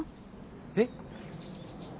えっ？